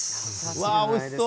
おいしそう。